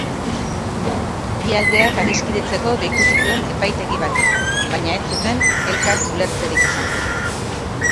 Bi aldeak adiskidetzeko deitu zituen epaitegi batek baina ez zuten elkar ulertzerik izan.